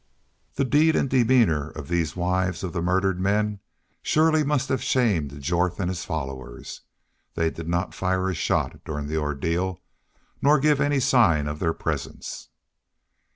The deed and the demeanor of these wives of the murdered men surely must have shamed Jorth and his followers. They did not fire a shot during the ordeal nor give any sign of their presence.